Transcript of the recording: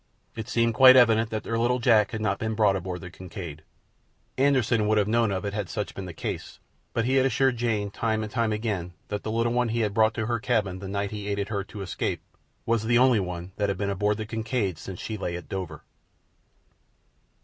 It seemed quite evident that their little Jack had not been brought aboard the Kincaid. Anderssen would have known of it had such been the case, but he had assured Jane time and time again that the little one he had brought to her cabin the night he aided her to escape was the only one that had been aboard the Kincaid since she lay at Dover.